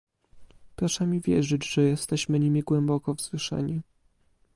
Proszę mi wierzyć, że jesteśmy nimi głęboko wzruszeni